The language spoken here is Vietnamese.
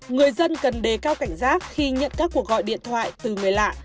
người dân cần đề cao cảnh giác khi nhận các cuộc gọi điện thoại từ người lạ